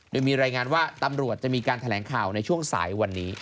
โดยมีรายงานว่าตำรวจจะมีการแถลงข่าวในช่วงสายวันนี้